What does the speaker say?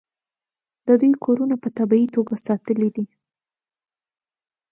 د دوی کورونه په طبیعي توګه ساتلي دي.